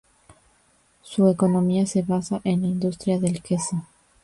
Su economía se basa en la industria del queso.